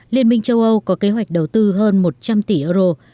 liên minh châu âu có kế hoạch đầu tư hơn một trăm linh tỷ euro